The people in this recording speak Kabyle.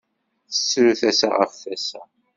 Tettru tasa ɣef tasa.